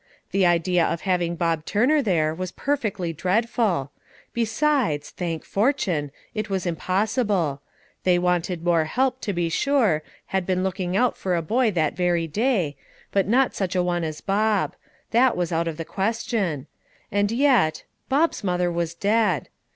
The idea of having Bob Turner there was perfectly dreadful; besides, thank fortune! it was impossible. They wanted more help, to be sure, had been looking out for a boy that very day, but not such a one as Bob, that was out of the question; and yet Bob's mother was dead!